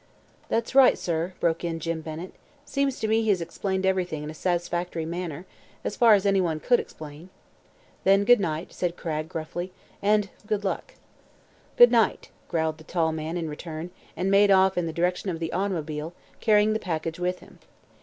"That's right, sir," broke in Jim Bennett. "Seems to me he's explained everything in a satisfactory manner as far as anyone could explain." "Then good night," said Cragg, gruffly, "and good luck." "Good night," growled the tall man in return and made off in the direction of the automobile, carrying the package with him.